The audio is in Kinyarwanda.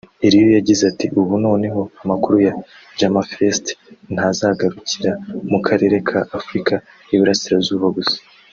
Eriyo yagize ati “Ubu noneho amakuru ya Jamafest ntazagarukira mu karere ka Afurika y’Iburasirazuba gusa